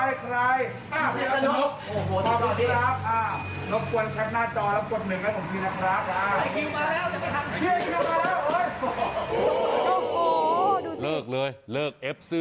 อ้าวน้อยจะลุกปอดตอนนี้ครับละกวนแค่หน้าจอละปัดหน่อยซักนิดนึงของพี่นะครับ